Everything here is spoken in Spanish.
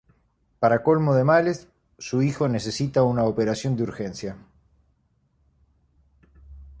Para colmo de males, su hijo necesita una operación de urgencia.